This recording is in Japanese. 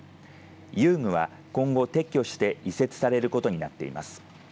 遊具は今後撤去して移設されることになっています。